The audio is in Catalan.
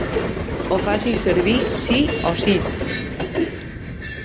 Ho faci servir sí o sí.